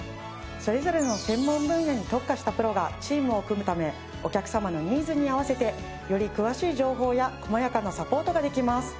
それぞれの専門分野に特化したプロがチームを組むためお客様のニーズに合わせてより詳しい情報や細やかなサポートができます。